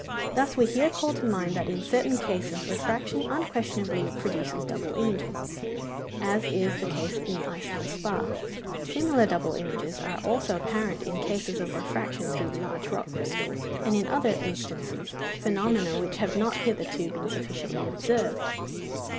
Thus we here call to mind that in certain cases refraction unquestionably produces double images, as is the case in Iceland spar: similar double images are also apparent in cases of refraction through large rock crystals, and in other instances; phenomena which have not hitherto been sufficiently observed.